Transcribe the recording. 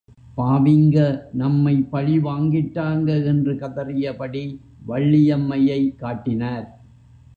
பாவிங்க நம்மை பழிவாங்கிட்டாங்க, என்று கதறியபடி வள்ளியம்மையை காட்டினர்.